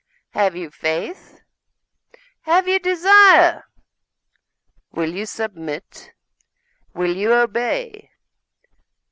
'Have you faith? Have you desire? Will you submit? Will you obey?